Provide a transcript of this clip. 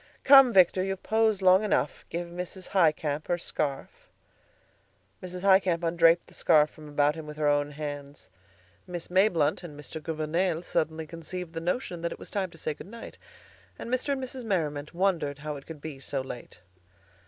"Come, Victor; you've posed long enough. Give Mrs. Highcamp her scarf." Mrs. Highcamp undraped the scarf from about him with her own hands. Miss Mayblunt and Mr. Gouvernail suddenly conceived the notion that it was time to say good night. And Mr. and Mrs. Merriman wondered how it could be so late.